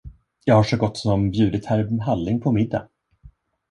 Jag har så gott som bjudit herr Halling på middag.